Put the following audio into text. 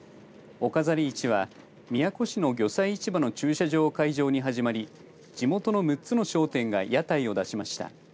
お飾り市は宮古市の魚菜市場の駐車場を会場に始まり地元の６つの商店が屋台を出しました。